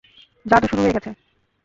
জাদু শুরু হয়ে গেছে!